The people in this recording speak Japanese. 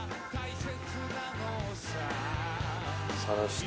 さらして。